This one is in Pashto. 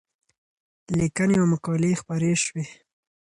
لیکنې او مقالې خپرې شوې.